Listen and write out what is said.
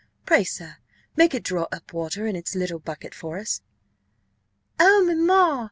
Pray, sir, make it draw up water in its little bucket for us." "Oh, mamma!"